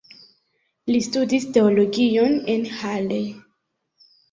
Li studis teologion en Halle.